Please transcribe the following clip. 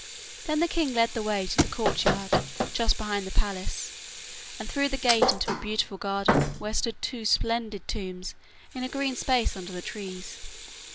Then the king led the way to the courtyard just behind the palace, and through the gate into a beautiful garden where stood two splendid tombs in a green space under the trees.